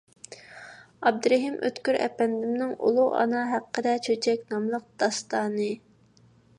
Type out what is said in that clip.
ئابدۇرېھىم ئۆتكۈر ئەپەندىمنىڭ «ئۇلۇغ ئانا ھەققىدە چۆچەك» ناملىق داستانى.